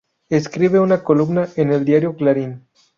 Escribe una columna en el diario "Clarín".